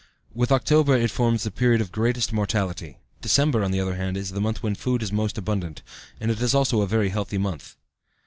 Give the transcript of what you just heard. With October it forms the period of greatest mortality. December, on the other hand, is the month when food is most abundant, and it is also a very healthy month.